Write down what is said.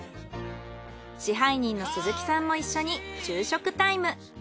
支配人の鈴木さんも一緒に昼食タイム。